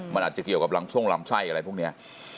มันอาจจะเกี่ยวกับลำทรงลำไส้อะไรพวกนี้